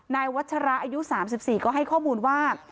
นายวัชราอายุสามสิบสี่ก็ให้ข้อมูลว่า